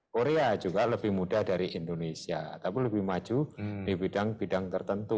korea juga lebih muda dari indonesia tapi lebih maju di bidang bidang tertentu